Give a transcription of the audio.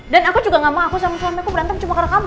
dan aku juga gak mau aku sama suamiku berantem cuma karena kamu